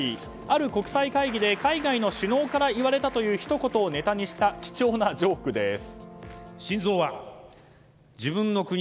ある国際会議で海外の首脳から言われたというひと言をネタにした、貴重なジョークです。